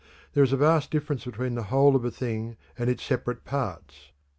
There is a vast difference between the whole of a thing and its separate parts.